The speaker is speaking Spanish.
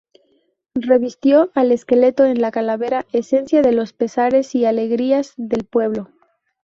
Revistió al esqueleto en la calavera: esencia de los pesares y alegrías del pueblo.